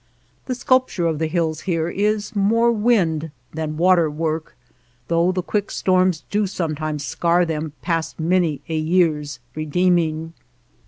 The sculpture of the hills here is more wind than water work, though the quick storms do sometimes scar them past many a year's redeeming.